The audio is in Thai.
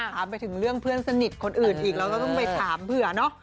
ถามไปถึงเรื่องเพื่อนสนิทคนอื่นอีกเราก็ต้องไปถามเผื่อเนอะ